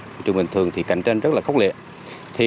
thị trường bình thường thì cạnh tranh rất là khốc liệt